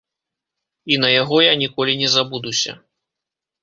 І на яго я ніколі не забудуся.